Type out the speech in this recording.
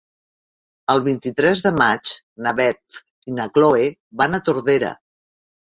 El vint-i-tres de maig na Beth i na Chloé van a Tordera.